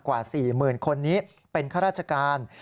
กว่า๔๐๐๐คนนี้เป็นข้าราชการ